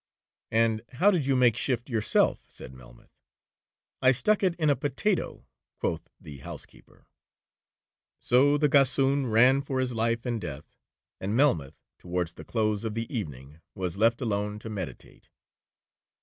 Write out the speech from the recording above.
'And how did you make shift yourself,' said Melmoth. 'I stuck it in a potatoe,' quoth the housekeeper. So the gossoon ran for life and death, and Melmoth, towards the close of the evening, was left alone to meditate.